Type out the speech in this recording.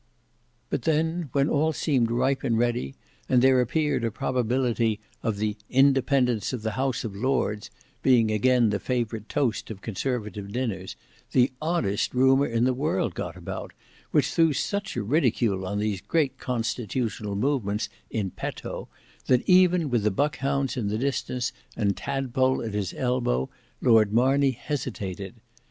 But then when all seemed ripe and ready, and there appeared a probability of the "Independence of the House of Lords" being again the favourite toast of conservative dinners, the oddest rumour in the world got about, which threw such a ridicule on these great constitutional movements in petto, that even with the Buckhounds in the distance and Tadpole at his elbow, Lord Marney hesitated.